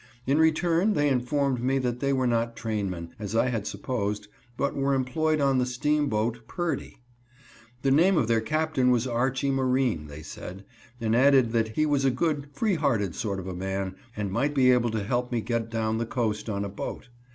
In return they informed me that they were not trainmen, as I had supposed, but were employed on the steamboat Perdy. The name of their Captain was Archie Marine, they said, and added that he was a good, freehearted sort of a man, and might be able to help me get down the coast on a boat.